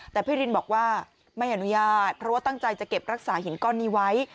แต่พี่รินบอกว่าไม่อนุญาตเพราะว่าตั้งใจจะเก็บรักษาหินก้อนนี้ไว้